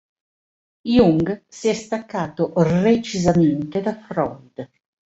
Jung si è staccato recisamente da Freud.